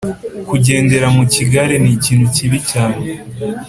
kugendera mu kigare ni ikintu kibi cyane